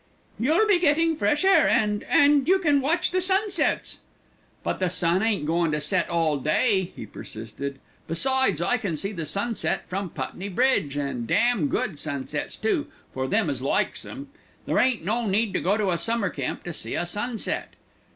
"You'll be getting fresh air and and you can watch the sunsets." "But the sun ain't goin' to set all day," he persisted. "Besides, I can see the sunset from Putney Bridge, an' damn good sunsets too, for them as likes 'em. There ain't no need to go to a summer camp to see a sunset."